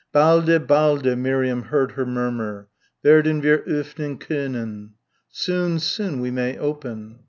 "Balde, balde," Miriam heard her murmur, "werden wir öffnen können." Soon, soon we may open.